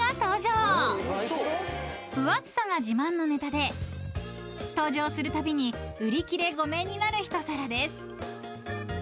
［分厚さが自慢のネタで登場するたびに売り切れ御免になる一皿です］